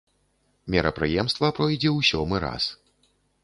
Мерапрыемства пройдзе ў сёмы раз.